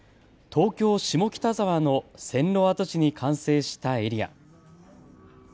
東京下北沢の線路跡地に完成したエリア。